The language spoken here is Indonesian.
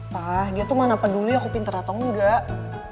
wah dia tuh mana peduli aku pinter atau enggak